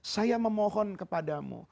saya memohon kepadamu